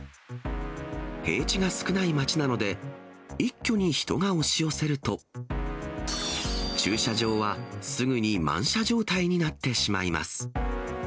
平地が少ない町なので、一挙に人が押し寄せると、駐車場はすぐに満車状態になってしまいます。